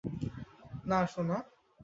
না, সোনা।